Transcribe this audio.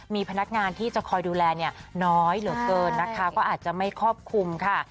มีพนักงานที่จะคอยดูแลเนี่ยน้อยเหลือเกินนะคะก็อาจจะไม่ครอบคลุมค่ะ